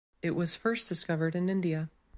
It was first discovered in India.